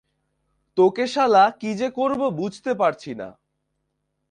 তোকে শালা যে কী করব বুঝতে পারছি না!